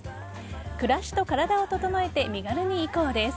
暮らしと体を整えて身軽に行こうです。